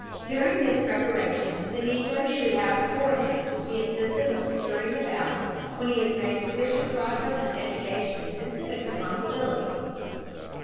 During this preparation the Negro should have before him the incentive of securing the ballot when he has made sufficient progress in education and civic responsibility.